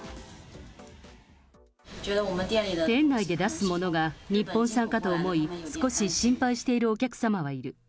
店内で出すものが日本産かと思い、少し心配しているお客様はいる。